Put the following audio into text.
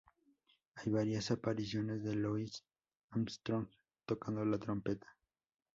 Hay varias apariciones de Louis Armstrong tocando la trompeta.